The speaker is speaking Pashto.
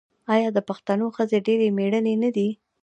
آیا د پښتنو ښځې ډیرې میړنۍ نه دي؟